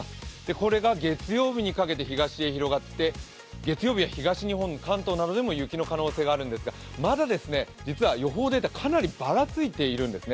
これが月曜日にかけて東へ広がって、月曜日は東日本、関東などでも雪の可能性があるんですが、まだ予報データがかなりばらついているんですね。